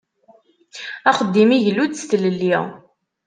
Axeddim igellu-d s tlelli.